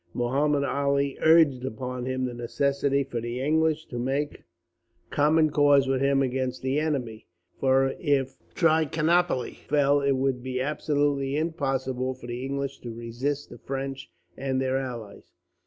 Muhammud Ali urged upon him the necessity for the English to make common cause with him against the enemy, for if Trichinopoli fell, it would be absolutely impossible for the English to resist the French and their allies.